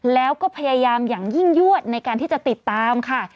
แล้วก็พยายามอย่างยิ่งยวดในการที่จะติดตามค่ะ